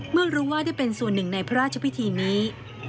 เมื่อรู้ว่าได้เป็นส่วนหนึ่งในพระราชพิธีนี้